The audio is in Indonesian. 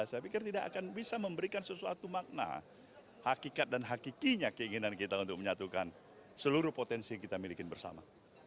saya pikir tidak akan bisa memberikan sesuatu makna hakikat dan hakikinya keinginan kita untuk menyatukan seluruh potensi yang kita miliki bersama